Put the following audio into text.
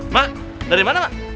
mak dari mana mak